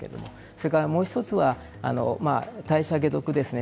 それから、もう１つは代謝、解毒ですね。